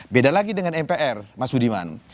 beda lagi dengan mpr mas budiman